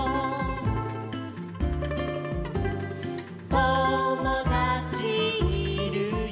「ともだちいるよ」